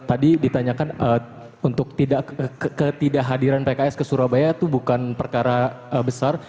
tadi ditanyakan untuk ketidakhadiran pks ke surabaya itu bukan perkara besar